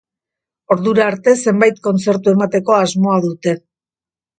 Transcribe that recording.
Ordura arte zenbait kontzertu emateko asmoa dute.